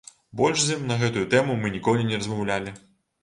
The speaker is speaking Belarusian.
Больш з ім на гэтую тэму мы ніколі не размаўлялі.